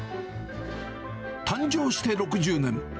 誕生して６０年。